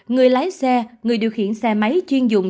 người lái xe người điều khiển xe máy chuyên dụng